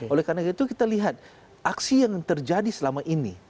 oleh karena itu kita lihat aksi yang terjadi selama ini